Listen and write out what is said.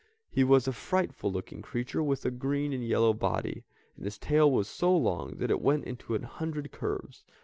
He was a frightful looking creature with a green and yellow body, and his tail was so long that it went into a hundred curves.